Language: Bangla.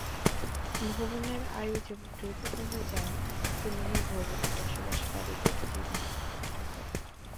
ভবনের আয়ু যেমন দ্রুত কমে যায়, তেমনি ভবনে বসবাসকারীদের জীবনও ঝুঁকিতে পড়ে।